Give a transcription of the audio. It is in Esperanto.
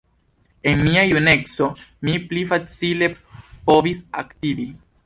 En mia juneco mi pli facile povis aktivi.